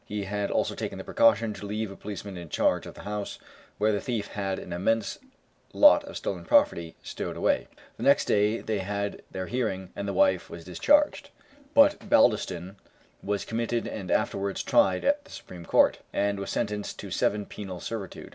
He had also taken the precaution to leave a policeman in charge of the house, where the thief had an immense lot of stolen property stowed away. The next day they had their hearing, and the wife was discharged; but Baldiston was committed and afterwards tried at the Supreme Court, and was sentenced to seven years' penal servitude.